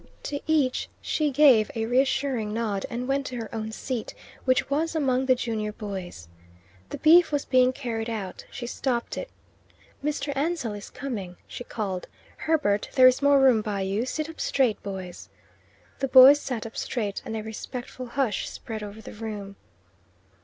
To each he gave a reassuring nod and went to her own seat, which was among the junior boys. The beef was being carried out; she stopped it. "Mr. Ansell is coming," she called. "Herbert there is more room by you; sit up straight, boys." The boys sat up straight, and a respectful hush spread over the room.